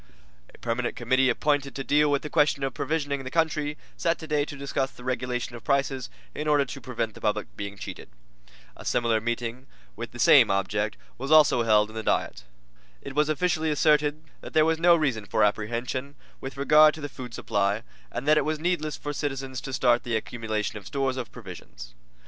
A permanent committee appointed to deal with the question of provisioning the country, sat today to discuss the regulation of prices in order to prevent the public being cheated. A similar meeting with the same object also was held in the Diet. It was officially asserted that there was no reason for apprehension with regard to the food supply, and that it was needless for citizens to start the accumulation of stores of provisions.